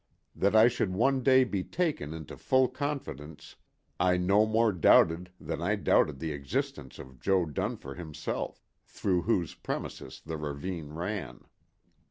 That I should one day be taken into full confidence I no more doubted than I doubted the existence of Jo. Dunfer himself, through whose premises the ravine ran.